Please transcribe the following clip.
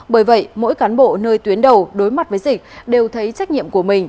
bởi vậy mỗi cán bộ nơi tuyến đầu đối mặt với dịch đều thấy trách nhiệm của mình